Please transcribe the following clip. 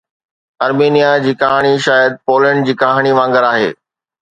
آرمينيا جي ڪهاڻي شايد پولينڊ جي ڪهاڻي وانگر آهي